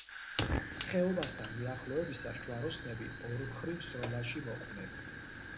ხეობასთან მიახლოებისას ჯვაროსნები ორმხრივ სროლაში მოყვნენ.